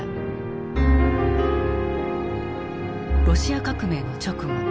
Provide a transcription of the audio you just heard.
ロシア革命の直後